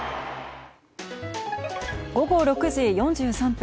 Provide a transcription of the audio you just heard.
午後６時４３分